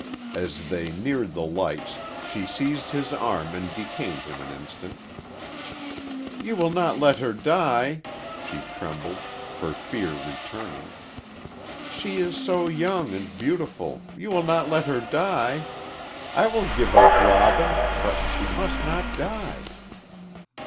As they neared the lights she seized his arm and detained him an instant. "You will not let her die?" She trembled, her fear returning. "She is so young and beautiful you will not let her die? I will give up Robin, but she must not die."